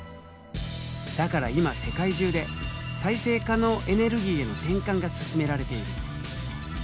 だから今世界中で再生可能エネルギーへの転換が進められている。